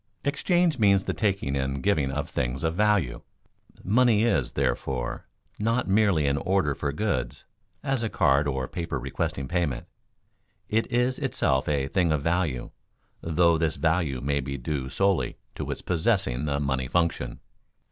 Exchange means the taking and giving of things of value. Money is, therefore, not merely an order for goods, as a card or paper requesting payment; it is itself a thing of value, though this value may be due solely to its possessing the money function.